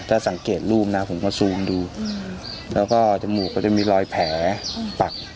ถ้าสังเกตรูปนะผมก็ซูมดูแล้วก็จมูกก็จะมีรอยแผลปัก